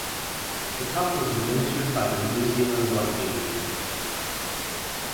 The cup was administered by the New Zealand Rugby League.